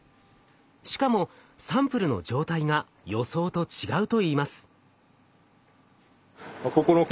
しかもサンプルの状態が予想と違うといいます。